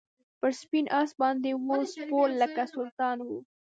پر سپین آس باندي وو سپور لکه سلطان وو